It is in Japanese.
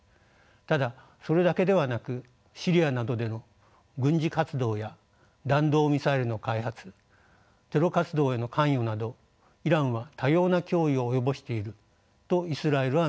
ただそれだけではなくシリアなどでの軍事活動や弾道ミサイルの開発テロ活動への関与などイランは多様な脅威を及ぼしているとイスラエルは見ています。